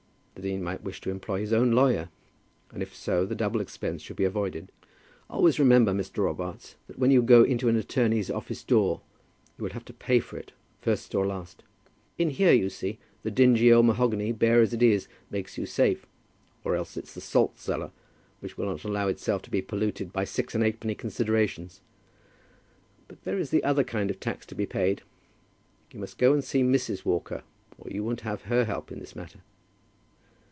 The dean might wish to employ his own lawyer, and if so the double expense should be avoided. "Always remember, Mr. Robarts, that when you go into an attorney's office door, you will have to pay for it, first or last. In here, you see, the dingy old mahogany, bare as it is, makes you safe. Or else it's the salt cellar, which will not allow itself to be polluted by six and eightpenny considerations. But there is the other kind of tax to be paid. You must go up and see Mrs. Walker, or you won't have her help in this matter."